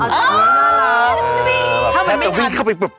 ถ้าจะวิ่งเข้าไปเปิดประตู